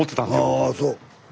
ああそう。